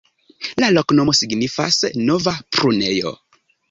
La loknomo signifas: nova-prunejo.